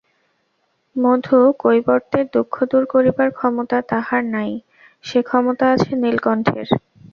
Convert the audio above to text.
মধুকৈবর্তের দুঃখ দূর করিবার ক্ষমতা তাহার নাই, সে ক্ষমতা আছে নীলকণ্ঠের!